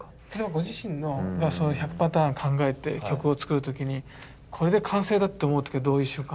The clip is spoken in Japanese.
ご自身の１００パターン考えて曲を作る時にこれで完成だって思う時はどういう瞬間？